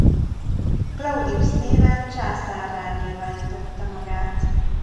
Claudius néven császárrá nyilvánította magát.